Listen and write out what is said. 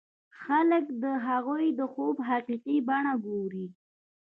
خلک د هغوی د خوب حقيقي بڼه ګوري.